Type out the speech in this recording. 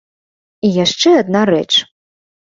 І яшчэ адна рэч.